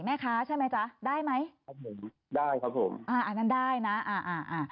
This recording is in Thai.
แม่ค้าใช่ไหมจ๊ะได้ไหมครับผมได้ครับผมอ่าอันนั้นได้น่ะอ่าอ่า